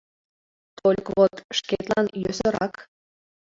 Тольык вот... шкетлан йӧсырак.